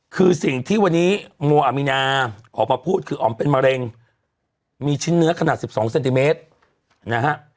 คือสิ่งที่วันนี้โมอามีนาออกมาพูดคืออ๋อมเป็นมะเร็งมีชิ้นเนื้อขนาด๑๒เซนติเมตรนะฮะ